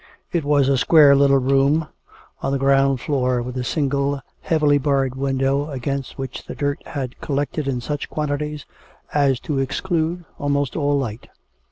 It was a square little room on the ground floor, with a single, heavily barred window, against which the dirt had collected in such quantities as to exclude almost all light.